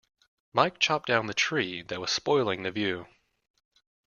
Mike chopped down the tree that was spoiling the view